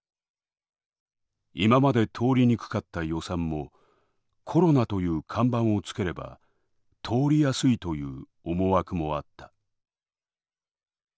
今まで通りにくかった予算もコロナという看板をつければ通りやすいという思惑もあった。